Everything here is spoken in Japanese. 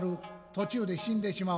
途中で死んでしまう。